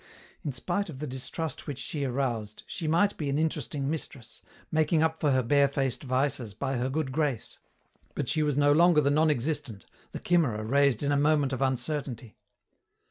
In spite of the distrust which she aroused, she might be an interesting mistress, making up for her barefaced vices by her good grace, but she was no longer the non existent, the chimera raised in a moment of uncertainty.